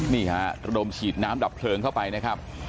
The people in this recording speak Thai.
นี่ฮะระดมฉีดน้ำดับเพลิงเข้าไปนะครับ